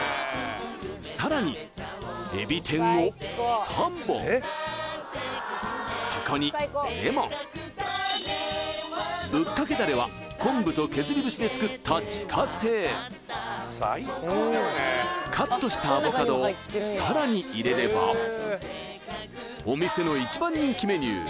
さらに海老天を３本そこにレモンぶっかけダレは昆布と削り節で作った自家製カットしたアボカドをさらに入れればお店の一番人気メニュー